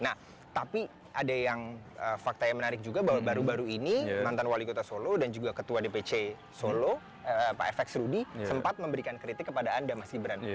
nah tapi ada yang fakta yang menarik juga bahwa baru baru ini mantan wali kota solo dan juga ketua dpc solo pak fx rudi sempat memberikan kritik kepada anda mas gibran